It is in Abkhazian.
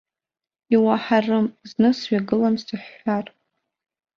Иуаҳарым зны сҩагылан сыҳәҳәар.